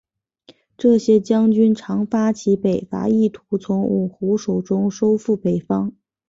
这些将军常发起北伐意图从五胡手中收复北方。